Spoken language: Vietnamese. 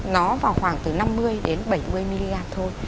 nó vào khoảng từ năm mươi đến bảy mươi m thôi